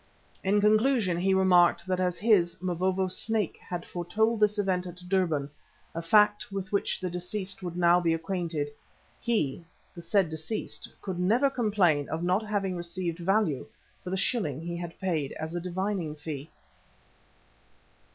In conclusion, he remarked that as his, Mavovo's Snake, had foretold this event at Durban, a fact with which the deceased would now be acquainted he, the said deceased, could never complain of not having received value for the shilling he had paid as a divining fee.